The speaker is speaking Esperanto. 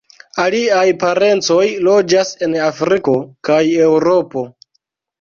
Aliaj parencoj loĝas en Afriko kaj Eŭropo.